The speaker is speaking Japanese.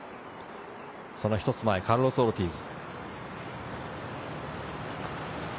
その一つ前、カルロス・オルティーズ。